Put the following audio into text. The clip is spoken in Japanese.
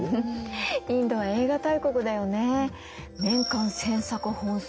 インドは映画大国だよね。ね！